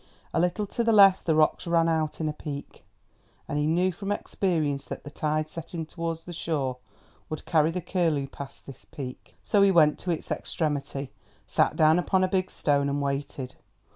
A little to the left the rocks ran out in a peak, and he knew from experience that the tide setting towards the shore would carry the curlew past this peak. So he went to its extremity, sat down upon a big stone and waited.